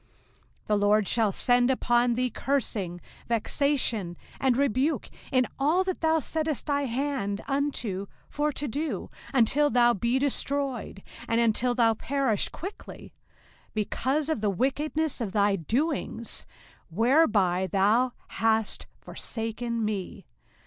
05:028:020 The LORD shall send upon thee cursing, vexation, and rebuke, in all that thou settest thine hand unto for to do, until thou be destroyed, and until thou perish quickly; because of the wickedness of thy doings, whereby thou hast forsaken me.